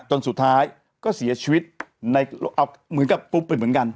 จนสุดท้ายก็เสียชีวิตในเอาเหมือนกับกุ๊บไปเหมือนกัน